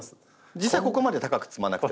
実際はここまで高く積まなくていい？